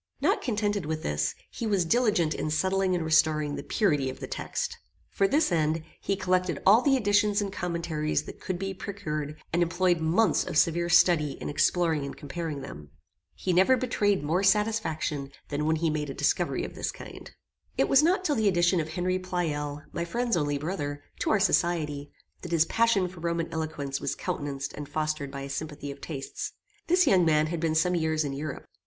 Not contented with this, he was diligent in settling and restoring the purity of the text. For this end, he collected all the editions and commentaries that could be procured, and employed months of severe study in exploring and comparing them. He never betrayed more satisfaction than when he made a discovery of this kind. It was not till the addition of Henry Pleyel, my friend's only brother, to our society, that his passion for Roman eloquence was countenanced and fostered by a sympathy of tastes. This young man had been some years in Europe.